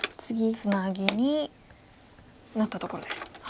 ツナギになったところです。